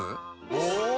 お！